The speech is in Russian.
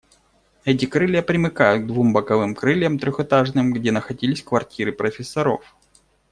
Эти крылья примыкают к двум боковым крыльям, трехэтажным, где находились квартиры профессоров.